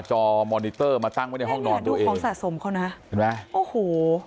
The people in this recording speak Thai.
จอมอนิเตอร์มาตั้งไว้ในห้องนอนดูเองเขาสะสมเขานะเห็นไหมโอ้โห